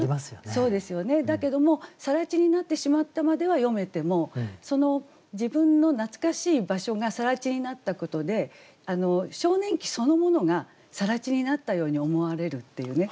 そうですよねだけども更地になってしまったまでは詠めてもその自分の懐かしい場所が更地になったことで少年期そのものが更地になったように思われるっていうね。